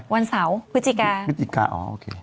วันเสาร์ฟืชิกาฟืชิกาอ๋อโอเค